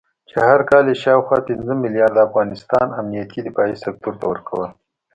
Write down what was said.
چې هر کال یې شاوخوا پنځه مليارده د افغانستان امنيتي دفاعي سکتور ته ورکول